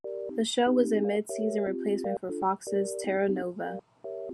The show was a mid-season replacement for Fox's "Terra Nova".